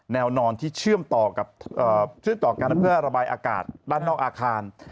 แนวนอนที่เชื่อมต่อกันเพื่อระบายอากาศด้านนอกอาคาร